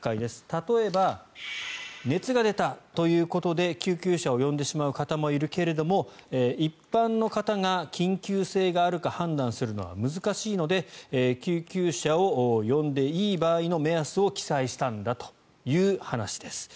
例えば熱が出たということで救急車を呼んでしまう方もいるけれども一般の方が緊急性があるか判断するのは難しいので救急車を呼んでいい場合の目安を記載したんだという話です。